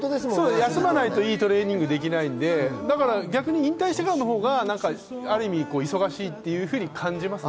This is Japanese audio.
休まないといいトレーニングができないので、逆に引退してからの方がある意味忙しいっていうふうに感じます。